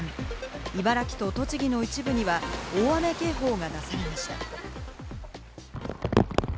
茨城と栃木の一部には大雨警報が出されました。